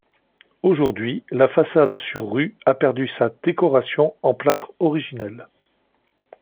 Aujourd'hui, la façade sur rue a perdu sa décoration en plâtre originelle.